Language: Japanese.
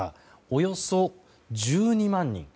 およそ１２万人。